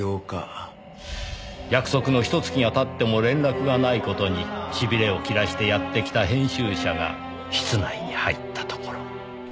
約束のひと月が経っても連絡がない事に痺れを切らしてやって来た編集者が室内に入ったところ。